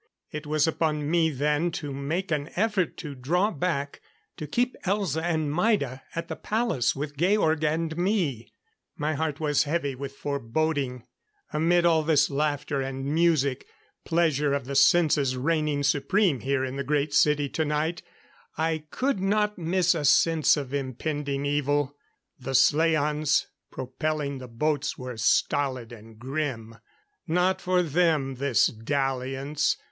It was upon me then to make an effort to draw back, to keep Elza and Maida at the palace with Georg and me. My heart was heavy with foreboding. Amid all this laughter and music pleasure of the senses reigning supreme here in the Great City tonight I could not miss a sense of impending evil. The slaans propelling the boats were stolid and grim. Not for them, this dalliance.